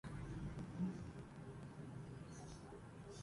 یہ مناظرہ نہیں، مکالمہ ہے۔